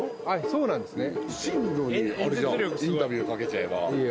そうなんですね。